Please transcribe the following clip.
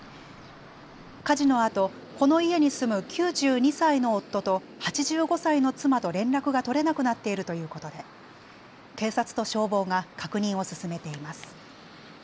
火事のあと、この家に住む９２歳の夫と８５歳の妻と連絡が取れなくなっているということで警察と消防が確認を進めています。